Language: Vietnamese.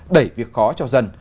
đẩy việc khó cho dân